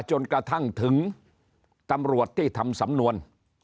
จนกระทั่งถึงตำรวจที่ทำสำนวน